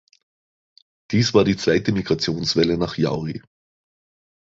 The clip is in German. Dies war die zweite Migrationswelle nach Yauri.